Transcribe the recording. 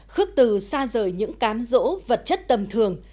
khước từ xa rời những cám rỗ vật chất tầm thường